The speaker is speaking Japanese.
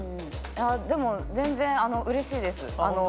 でも全然うれしいです。